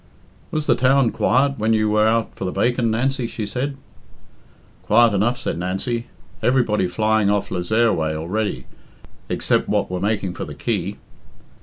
"Was the town quiet when you were out for the bacon, Nancy?" she said. "Quiet enough," said Nancy. "Everybody flying off Le zayre way already except what were making for the quay."